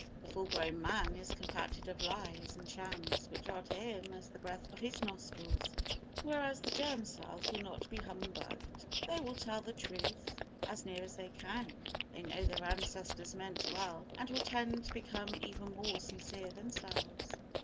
The full grown man is compacted of lies and shams which are to him as the breath of his nostrils. Whereas the germ cells will not be humbugged; they will tell the truth as near as they can. They know their ancestors meant well and will tend to become even more sincere themselves.